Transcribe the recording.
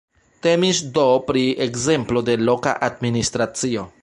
Temis do pri ekzemplo de loka administracio.